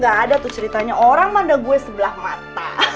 gak ada tuh ceritanya orang manda gue sebelah mata